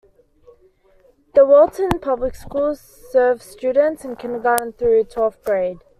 The Wallington Public Schools serve students in kindergarten through twelfth grade.